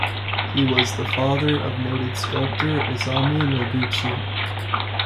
He was the father of noted sculptor Isamu Noguchi.